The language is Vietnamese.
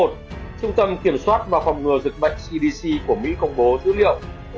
trung tâm kiểm soát và phòng ngừa dịch bệnh cdc của mỹ công bố dữ liệu